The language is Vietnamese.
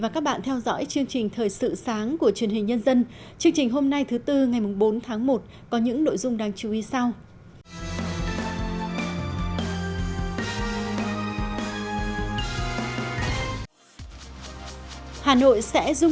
chương trình hôm nay thứ tư ngày bốn tháng một có những nội dung đáng chú ý sau